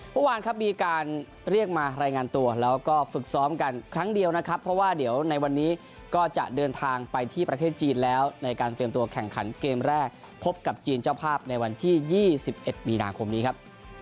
เมื่อวานครับมีการเรียกมารายงานตัวแล้วก็ฝึกซ้อมกันครั้งเดียวนะครับเพราะว่าเดี๋ยวในวันนี้ก็จะเดินทางไปที่ประเทศจีนแล้วในการเตรียมตัวแข่งขันเกมแรกพบกับจีนเจ้าภาพในวันที่๒๑มีนาคมนี้ครับ